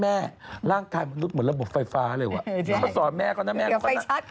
แม่ร่างกายมนุษย์เหมือนระบบไฟฟ้าเลยแล้วเขาสอนแม่เค้าเดี๋ยวไฟชัด